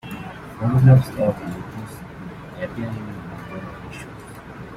Photographs of Lupus would appear in a number of issues.